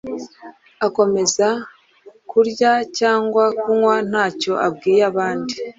Akomeza kurya cyangwa kunywa nta cyo abwiye abandi